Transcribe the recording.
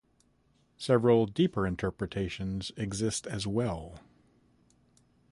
Several deeper interpretations exist as well.